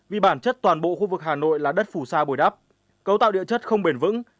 vì bản chất toàn bộ khu vực hà nội là đất phù sa bồi đắp cấu tạo địa chất không bền vững